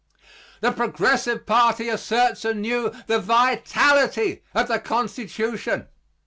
The Progressive party asserts anew the vitality of the Constitution.